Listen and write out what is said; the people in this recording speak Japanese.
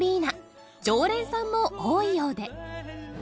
常連さんも多いようで